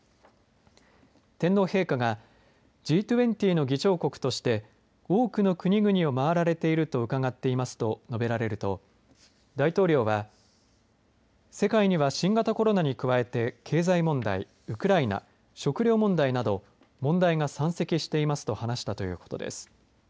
天皇陛下がＧ２０の議長国として多くの国々を回られていると伺ってますと述べられると大統領は世界には新型コロナに加えて経済問題、ウクライナ食糧問題など問題が山積していますと話したということです。